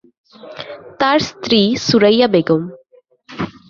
তার স্ত্রী সুরাইয়া বেগম।